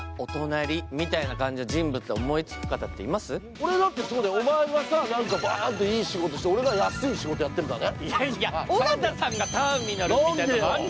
俺だってそうだよ、お前がバーンっていい仕事して、俺が安い仕事してるだろ？